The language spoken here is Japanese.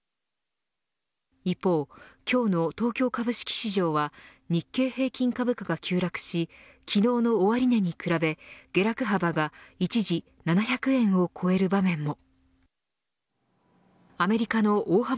一方、今日の東京株式市場は日経平均株価が急落し昨日の終値に比べ下落幅が一時７００円を超える場面も。